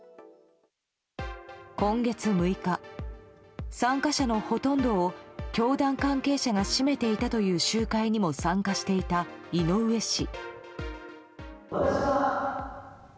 今月６日、参加者のほとんどを教団関係者が占めていたという集会にも参加していた井上氏。